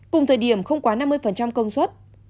cùng thời điểm không quá năm mươi công suất